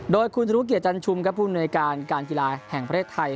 โดยคุณธุรกิจจันทร์ชุมกับผู้นวยการการกีฬาแห่งประเทศไทย